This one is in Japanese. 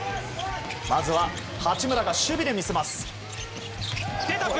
まずは、八村が守備で魅せます。